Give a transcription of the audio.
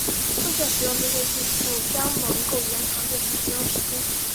正确的使用这些技术将能够延长电池使用时间。